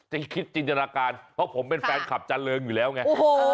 คิดจินตนาการเพราะผมเป็นแฟนคลับจาเริงอยู่แล้วไง